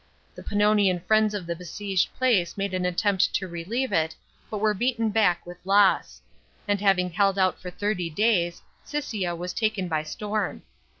The Pannonian friends of the besieged place made an attempt to relieve it, but were beaten back with loss ; and having held out for thirty days, Siscia was taken by storm.